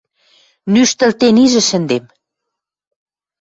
Нӱштӹлтен ижӹ шӹндем.